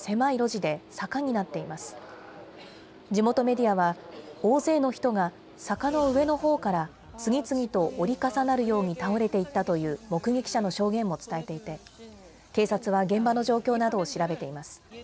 地元メディアは、大勢の人が坂の上のほうから次々と折り重なるように倒れていったという目撃者の証言も伝えていて、警察は現場の状況などを調べています。